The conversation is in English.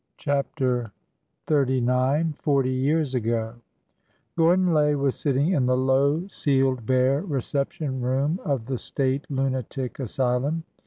CHAPTER XXXIX FORTY YEARS AGO ORDON LAY was sitting in the low ceiled bare re VJ ception room of the State Lunatic Asylum.